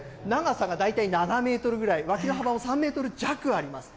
これ、長さが大体７メートルぐらい、脇の幅も３メートル弱あります。